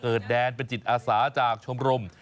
แดนเป็นจิตอาสาจากชมรม